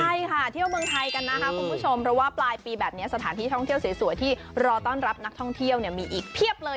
ใช่ค่ะเที่ยวเมืองไทยกันนะคะคุณผู้ชมเพราะว่าปลายปีแบบนี้สถานที่ท่องเที่ยวสวยที่รอต้อนรับนักท่องเที่ยวเนี่ยมีอีกเพียบเลย